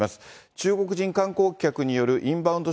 中国人観光客によるインバウンド